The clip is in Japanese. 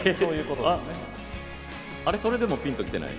それでもピンときてない？